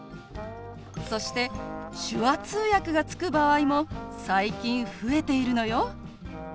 そして手話通訳がつく場合も最近増えているのよ。